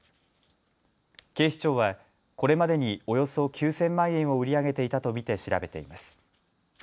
警視庁はこれまでにおよそ９０００万円を売り上げていたと見て調べています。